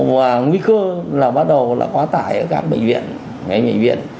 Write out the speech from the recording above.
và nguy cơ là bắt đầu là quá tải ở các bệnh viện